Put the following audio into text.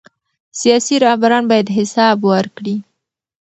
سیاسي رهبران باید حساب ورکړي